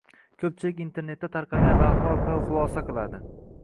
Ko‘pchilik internetda tarqalgan lavha orqali xulosa qiladi.